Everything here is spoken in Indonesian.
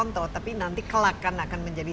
tapi nanti kelakan akan menjadi